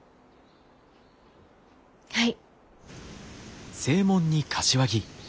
はい。